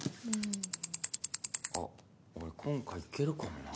あっ俺今回行けるかもな。